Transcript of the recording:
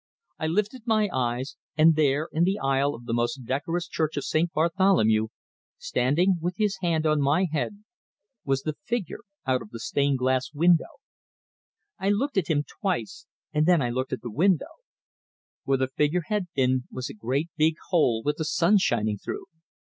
I lifted my eyes, and there, in the aisle of the most decorous church of St. Bartholomew, standing with his hand on my head, was the figure out of the stained glass window! I looked at him twice, and then I looked at the window. Where the figure had been was a great big hole with the sun shining through!